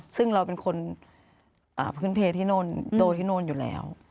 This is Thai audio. ซึ่งเราเป็นคนพื้นเพลที่โน่นโตที่โน่นอยู่แล้ว